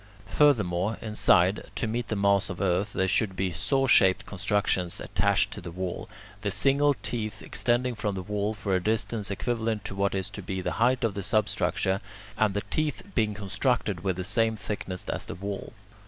Furthermore, inside, to meet the mass of earth, there should be saw shaped constructions attached to the wall, the single teeth extending from the wall for a distance equivalent to what is to be the height of the substructure, and the teeth being constructed with the same thickness as the wall.